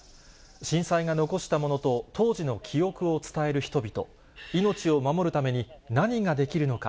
震災が残したものと当時の記憶を伝える人々、命を守るために何ができるのか。